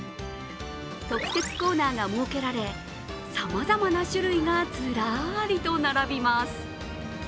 特設コーナーが設けられ、さまざまな種類がずらりと並びます。